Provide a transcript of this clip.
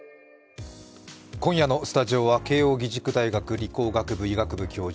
今夜のスタジオは慶応義塾大学理工学部・医学部教授